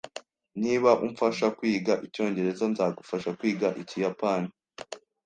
Niba umfasha kwiga icyongereza, nzagufasha kwiga ikiyapani.